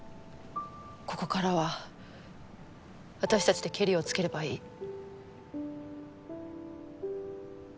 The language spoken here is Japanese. ここからは私たちでケリをつければいい。